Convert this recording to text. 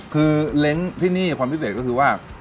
คือเล้งที่นี่ความพิเศษก็คือว่า